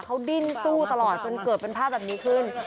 เขาดิ้นสู้ตลอดจนเกิดเป็นภาพแบบนี้ขึ้น